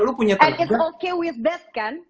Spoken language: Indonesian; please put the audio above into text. lu punya teman it's okay with that kan